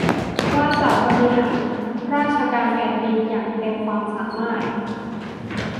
ว่าจะบริหารราชการแผ่นดินอย่างเต็มความสามารถ